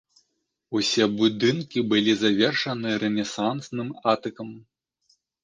Усе будынкі былі завершаны рэнесансным атыкам.